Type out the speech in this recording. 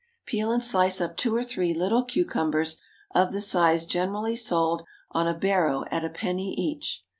Peel and slice up two or three little cucumbers of the size generally sold on a barrow at a penny each.